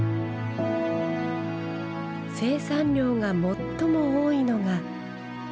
生産量が最も多いのが白竹。